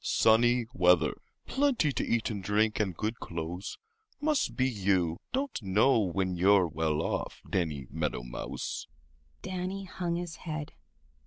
"Sunny weather, plenty to eat and drink, and good clothes—must be you don't know when you're well off, Danny Meadow Mouse." Danny hung his head.